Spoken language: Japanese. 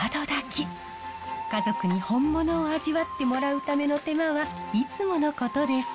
家族に本物を味わってもらうための手間はいつものことです。